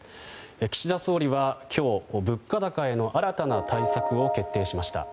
岸田総理は今日、物価高への新たな対策を決定しました。